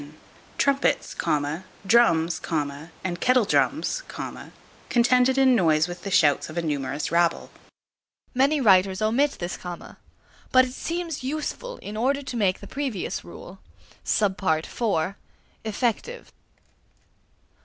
Trumpets, drums, and kettle drums, contended in noise with the shouts of a numerous rabble. Many writers omit this comma. But it seems useful in order to make the previous rule (d) effective.